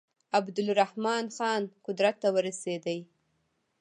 عبدالرحمن خان قدرت ته ورسېدی.